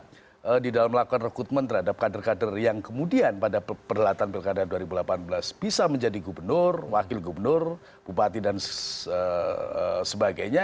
jadi di dalam melakukan rekrutmen terhadap kader kader yang kemudian pada perlatan pilkada dua ribu delapan belas bisa menjadi gubernur wakil gubernur bupati dan sebagainya